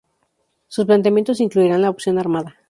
Sus planteamientos incluían la opción armada.